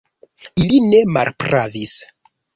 Ili ne malpravis.